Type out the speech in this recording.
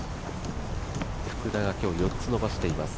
福田が今日４つ伸ばしています。